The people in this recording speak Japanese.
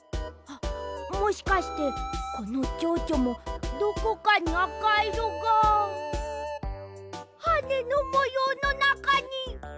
あっもしかしてこのちょうちょもどこかにあかいろがはねのもようのなかに。